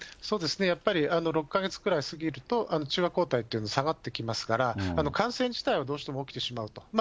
そうですね、やっぱり６か月くらい過ぎると、中和抗体というのが下がってきますから、感染自体はどうしても起きてしまうと。